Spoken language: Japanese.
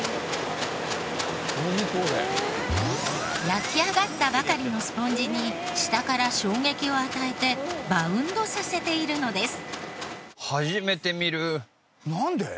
焼き上がったばかりのスポンジに下から衝撃を与えてバウンドさせているのです。